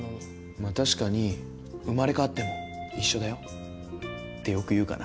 まあ確かに「生まれ変わっても一緒だよ」ってよく言うかな。